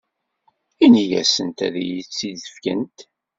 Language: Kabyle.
Ini-asent ad iyi-tt-id-fkent.